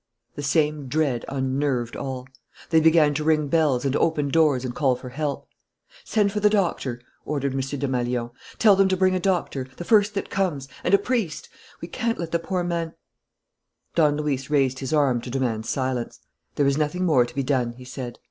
The same dread unnerved all. They began to ring bells and open doors and call for help. "Send for the doctor!" ordered M. Desmalions. "Tell them to bring a doctor, the first that comes and a priest. We can't let the poor man " Don Luis raised his arm to demand silence. "There is nothing more to be done," he said.